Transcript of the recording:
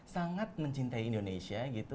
sangat mencintai indonesia gitu